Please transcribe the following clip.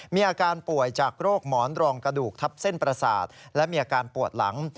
มีอาการป่วยจากโรคหมอนรองกระดูกทับเส้นประสาทและมีอาการปวดหลัง